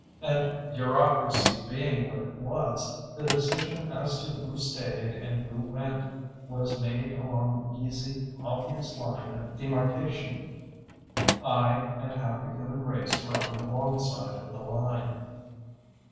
And bureaucracy being what it was, the decision as to who stayed and who went was made along the easy, obvious line of demarcation. I and half the human race were on the wrong side of the line.